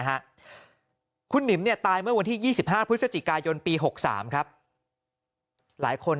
ฮะคุณหนิมเนี่ยตายเมื่อวันที่๒๕พฤศจิกายนปี๖๓ครับหลายคน